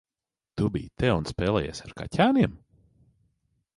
Tu biji te un spēlējies ar kaķēniem?